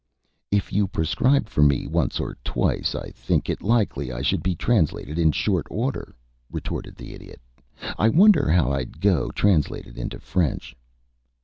"If you prescribed for me once or twice I think it likely I should be translated in short order," retorted the Idiot. "I wonder how I'd go translated into French?"